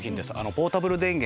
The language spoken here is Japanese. ポータブル電源。